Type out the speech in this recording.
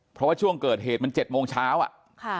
เพราะว่าช่วงเกิดเหตุมัน๗โมงเช้าอ่ะค่ะ